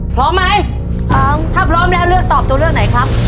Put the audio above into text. พร้อมไหมพร้อมถ้าพร้อมแล้วเลือกตอบตัวเลือกไหนครับ